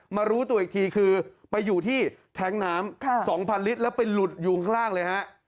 รู้ตัวอีกทีคือไปอยู่ที่แท้งน้ำ๒๐๐ลิตรแล้วไปหลุดอยู่ข้างล่างเลยฮะ